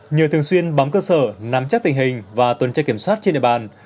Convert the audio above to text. nhờ thường xuyên bắm cơ sở nắm chắc tình hình và tuần trai kiểm soát trên địa bàn